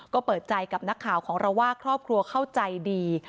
ก็เปิดใจกับนักข่าวของเราว่าครอบครัวเข้าใจดี